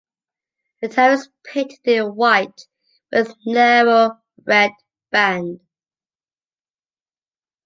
The tower is painted in white with a narrow red band.